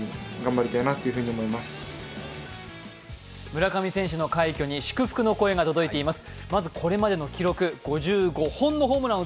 村上選手の快挙に祝福の声が届いています。